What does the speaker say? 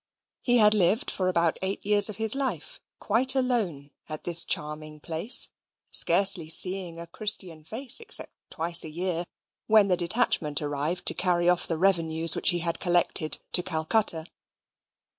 He had lived for about eight years of his life, quite alone, at this charming place, scarcely seeing a Christian face except twice a year, when the detachment arrived to carry off the revenues which he had collected, to Calcutta.